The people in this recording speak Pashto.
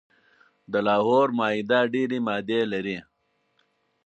د لاهور معاهده ډیري مادي لري.